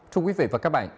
thưa quý vị và các bạn